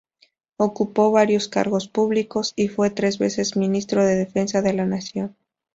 Ocupó varios cargos públicos, y fue tres veces ministro de Defensa de la Nación.